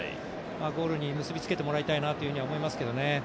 ゴールに結びつけてもらいたいなと思いますけどね。